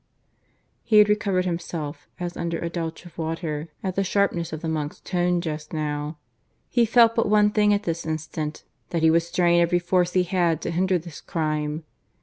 He had recovered himself, as under a douche of water, at the sharpness of the monk's tone just now. He felt but one thing at this instant, that he would strain every force he had to hinder this crime.